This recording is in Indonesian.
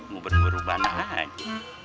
mau berubah ubahan aja